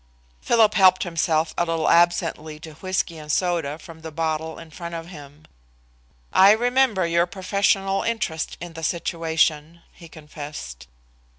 Philip helped himself a little absently to whisky and soda from the bottle in front of him. "I remember your professional interest in the situation," he confessed.